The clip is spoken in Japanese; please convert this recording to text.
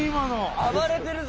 暴れてるぞ！